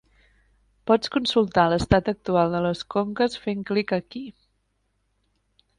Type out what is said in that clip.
Pots consultar l'estat actual de les conques fent clic aquí.